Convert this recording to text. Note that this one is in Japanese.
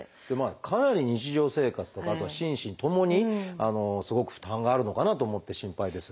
かなり日常生活とかあとは心身ともにすごく負担があるのかなと思って心配ですが。